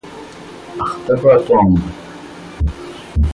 اختفى توم.